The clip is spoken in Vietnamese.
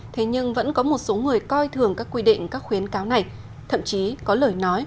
thế nhưng vẫn có một số người coi thường các quy định các khuyến cáo này thậm chí có lời nói